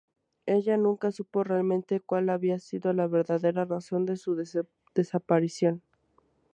Ella nunca supo realmente cual había sido la verdadera razón de su desaparición.